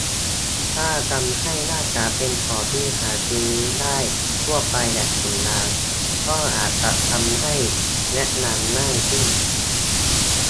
ถ้าทำให้หน้ากากเป็นของที่หาซื้อได้ทั่วไปแบบถุงยาง ก็อาจจะทำให้แนะนำง่ายขึ้น ?